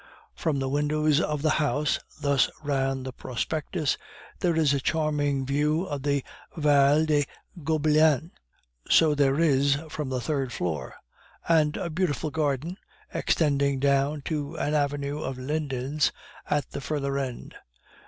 "From the windows of the house," thus ran the prospectus, "there is a charming view of the Vallee des Gobelins (so there is from the third floor), and a beautiful garden, extending down to an avenue of lindens at the further end."